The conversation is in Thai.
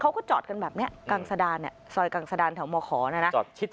เขาก็จอดกันแบบนี้กลางสดานเนี่ยซอยกลางสดานแถวมขนะนะ